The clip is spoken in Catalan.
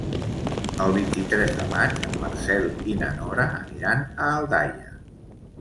El vint-i-tres de maig en Marcel i na Nora aniran a Aldaia.